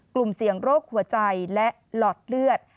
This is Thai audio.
กลุ่มเสี่ยงโรคหัวใจและหลอดเลือด